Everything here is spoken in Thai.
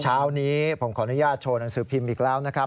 เช้านี้ผมขออนุญาตโชว์หนังสือพิมพ์อีกแล้วนะครับ